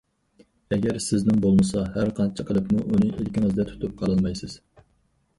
ئەگەر سىزنىڭ بولمىسا، ھەر قانچە قىلىپمۇ ئۇنى ئىلكىڭىزدە تۇتۇپ قالالمايسىز!